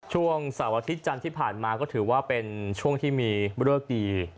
ช่วงเสาร์อาทิตย์จันทร์ที่ผ่านมาก็ถือว่าเป็นช่วงที่มีเลิกดี